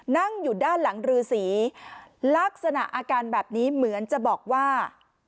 นั่งอยู่ด้านหลังรือสีลักษณะอาการแบบนี้เหมือนจะบอกว่า